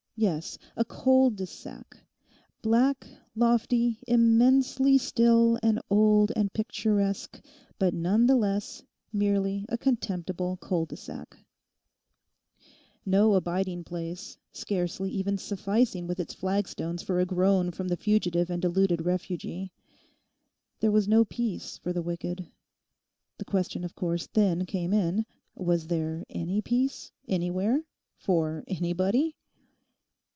Yes, a cul de sac—black, lofty, immensely still and old and picturesque, but none the less merely a contemptible cul de sac; no abiding place, scarcely even sufficing with its flagstones for a groan from the fugitive and deluded refugee. There was no peace for the wicked. The question of course then came in—Was there any peace anywhere, for anybody?